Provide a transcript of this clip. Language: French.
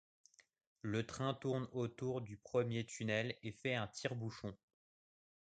Le train tourne autour du premier tunnel et fait un tire-bouchon.